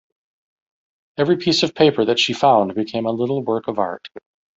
Every piece of paper that she found became a little work of art.